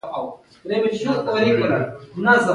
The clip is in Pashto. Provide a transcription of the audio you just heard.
نن پر ما ډېر ناوخته شو